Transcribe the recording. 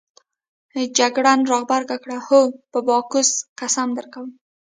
جګړن راغبرګه کړه: هو په باکوس قسم درکوو.